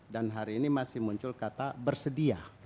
dan hari ini masih muncul kata bersedia